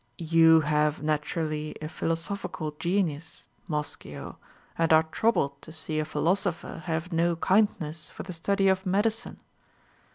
You hiive naturally a philosophical genius, Moschio, and are trouhled to see a philosopher have no kindness for the study of medicine.